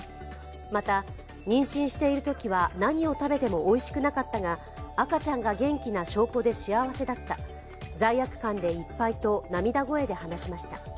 また、妊娠しているときは何を食べてもおいしくなかったが赤ちゃんが元気な証拠で幸せだった、罪悪感でいっぱいと涙声で話しました。